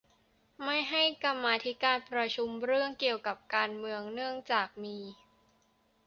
ไม่ให้กรรมาธิการประชุมเรื่องเกี่ยวกับการเมืองเนื่องจากมี